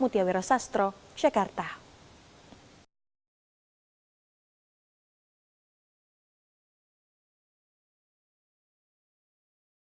terhadap dominasi sentimen global